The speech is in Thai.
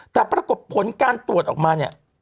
แต่ปรากฏผลการตรวจออกมาเนี่ย